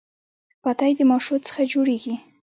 پاتی د ماشو څخه جوړیږي.